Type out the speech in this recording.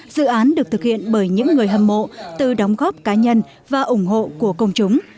dự án được thực hiện bởi những người hâm mộ từ đóng góp cá nhân và ủng hộ của công chúng